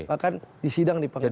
bahkan disidang di panggung